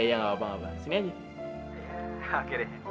iya ya nggak apa apa sini aja akhirnya